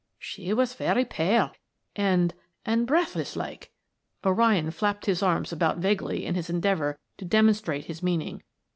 "She was very pale and and breathless like." O'Ryan flapped his arms about vaguely in his endeavor to demonstrate his meaning.